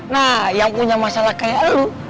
nah yang punya masalah kayak lu